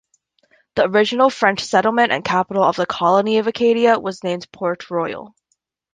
The original French settlement and capital of the colony of Acadia was named Port-Royal.